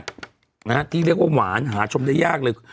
นะฮะที่เรียกว่าหวานหาชมได้ยากเลย